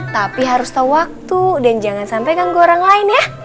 tapi harus tahu waktu dan jangan sampai ganggu orang lain ya